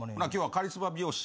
カリスマ美容師？